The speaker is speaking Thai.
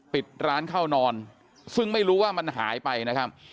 ปิดร้านเข้านอนซึ่งไม่รู้ว่ามันหายไปนะครับ